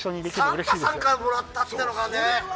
サンタさんからもらったっていうのがね。